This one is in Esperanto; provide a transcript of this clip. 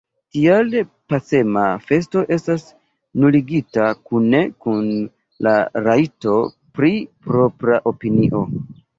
Tial pacema festo estas nuligita – kune kun la rajto pri propra opinio.